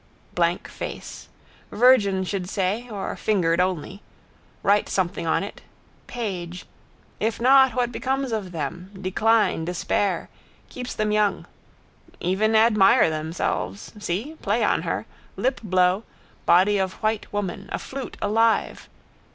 Blank face. Virgin should say: or fingered only. Write something on it: page. If not what becomes of them? Decline, despair. Keeps them young. Even admire themselves. See. Play on her. Lip blow. Body of white woman, a flute alive.